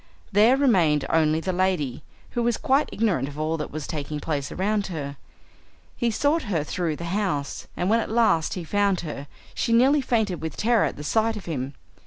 There remained only the lady, who was quite ignorant of all that was taking place around her. He sought her through the house, and when at last he found her, she nearly fainted with terror at the sight of him.